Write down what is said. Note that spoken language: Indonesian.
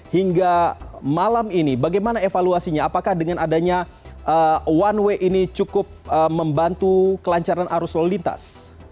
hingga malam ini bagaimana evaluasinya apakah dengan adanya one way ini cukup membantu kelancaran arus lalu lintas